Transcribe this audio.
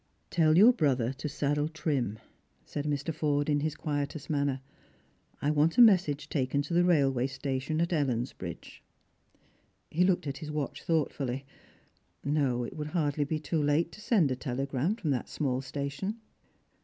" Tell your brother to saddle Trim," said Mr. Forde, in hia quietest manner: "I want a message taken to the railway station at Ellensbridge." He looked at his watch thoughttully. No, it would hardly be too late to send a telegram from that small station.